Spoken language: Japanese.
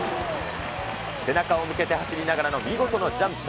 背中を向けて走りながらの見事なジャンプ。